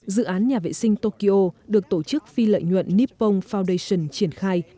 dự án nhà vệ sinh tokyo được tổ chức phi lợi nhuận nippon foundation triển khai